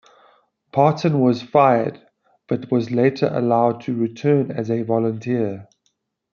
Partin was fired, but was later allowed to return as a volunteer.